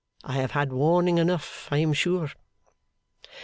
I have had warning enough, I am sure.